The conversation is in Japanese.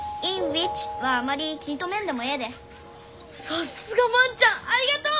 さすが万ちゃんありがとう！